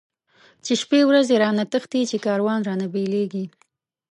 چی شپی ورځی رانه تښتی، چی کاروان رانه بيليږی